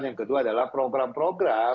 yang kedua adalah program program